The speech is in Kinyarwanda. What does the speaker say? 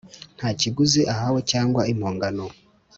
nta kiguzi ahawe cyangwa impongano.